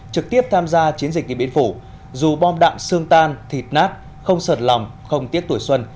trực tiếp tham gia chiến dịch điện biên phủ dù bom đạn xương tan thịt nát không sợt lòng không tiếc tuổi xuân